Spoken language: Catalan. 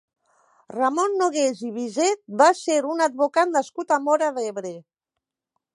Ramon Nogués i Biset va ser un advocat nascut a Móra d'Ebre.